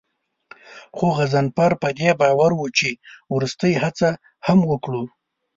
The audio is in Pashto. خو غضنفر په دې باور و چې وروستۍ هڅه هم وکړو.